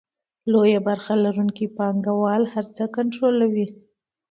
لویه برخه لرونکي پانګوال هر څه کنټرولوي